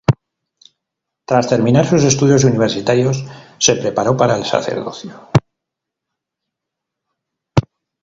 Tras terminar sus estudios universitarios, se preparó para el sacerdocio.